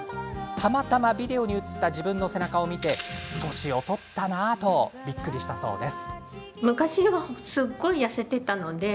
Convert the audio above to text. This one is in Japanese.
たまたまビデオに映った自分の背中を見て歳を取ったなとびっくりしたそうです。